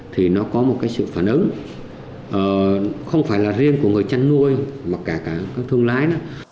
thì nó có một cái sự phản ứng không phải là riêng của người chăn nuôi hoặc cả các thương lái